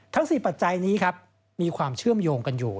ทั้ง๔ปัจจัยนี้ครับมีความเชื่อมโยงกันอยู่